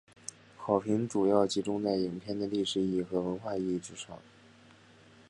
好评主要集中在影片的历史意义和文化意义之上。